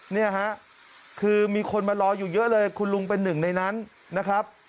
เนี่ยฮะคือมีคนมารออยู่เยอะเลยคุณลุงเป็นหนึ่งในนั้นนะครับ